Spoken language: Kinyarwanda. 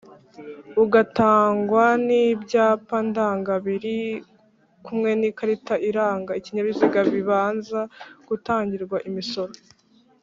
Ugutangwa kw'ibyapa ndanga biri kumwe n'ikarita iranga ikinyabiziga bibanza gutangirwa imisoro